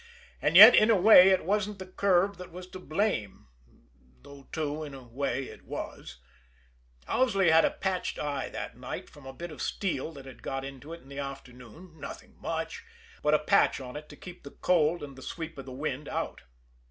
And yet, in a way, it wasn't the curve that was to blame; though, too, in a way, it was Owsley had a patched eye that night from a bit of steel that had got into it in the afternoon, nothing much, but a patch on it to keep the cold and the sweep of the wind out.